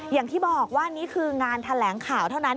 อย่างที่บอกว่านี่คืองานแถลงข่าวเท่านั้น